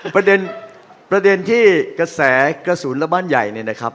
ประเด็นที่กระแสกระสุนและบ้านใหญ่เนี่ยนะครับ